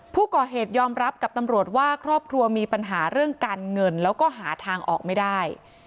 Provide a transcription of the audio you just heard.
ผู้ก่อเหตุยอมรับกับตำรวจว่าครอบครัวมีปัญหาเรื่องการเงินแล้วก็หาทางออกไม่ได้